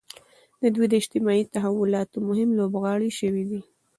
دوی د اجتماعي تحولاتو مهم لوبغاړي شوي دي.